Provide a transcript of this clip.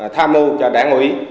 phá mưu cho đảng ủy